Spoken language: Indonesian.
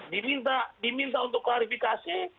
diminta untuk klarifikasi